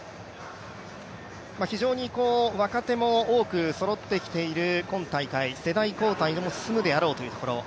非常に若手も多くそろってきている今大会世代交代も進むであろうというところ。